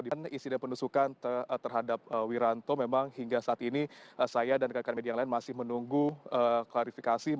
dan insiden penusukan terhadap wiranto memang hingga saat ini saya dan rekan rekan media yang lain masih menunggu klarifikasi